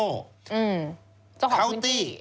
อืมเจ้าของพื้นที่